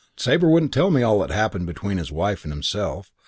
"Sabre wouldn't tell me all that happened between his wife and himself.